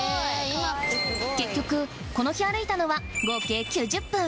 結局この日歩いたのは合計９０分。